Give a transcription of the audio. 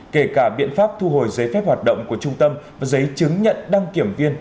kể cả biện pháp thu hồi giấy phép hoạt động của trung tâm và giấy chứng nhận đăng kiểm viên